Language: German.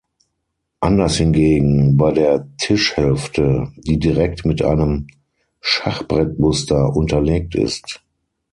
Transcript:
Anders hingegen bei der Tisch-Hälfte, die direkt mit einem Schachbrettmuster unterlegt ist.